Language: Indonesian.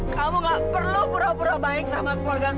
kamu gak perlu pura pura bantuan